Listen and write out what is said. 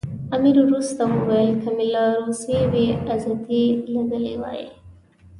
امیر وروسته وویل که مې له روسیې بې عزتي لیدلې وای.